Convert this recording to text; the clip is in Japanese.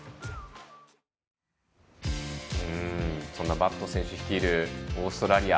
バット選手率いるオーストラリア。